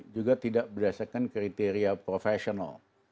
juga tidak berdasarkan kriteria profesional